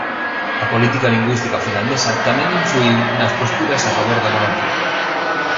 A política lingüística finlandesa tamén influíu nasa posturas a favor da monarquía.